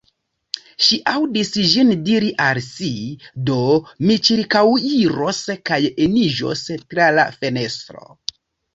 Ŝi aŭdis ĝin diri al si: Do, mi ĉirkaŭiros kaj eniĝos tra la fenestro.